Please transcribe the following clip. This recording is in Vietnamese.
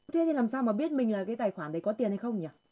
thế thì làm sao mà biết mình là cái tài khoản này có tiền hay không nhỉ